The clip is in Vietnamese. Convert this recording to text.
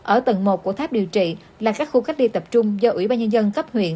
ở tầng một của tháp điều trị là các khu cách ly tập trung do ủy ban nhân dân cấp huyện